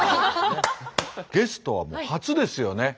ゲストはもう初ですよね